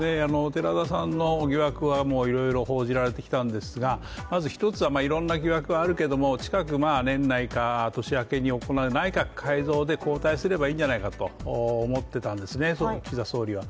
寺田さんの疑惑はいろいろ報じられてきたんですが、まず一つは、いろんな疑惑があるけれども近く、年内か年明けに行う内閣改造で交代すればいいんじゃないかと思っていたんですね、岸田総理は。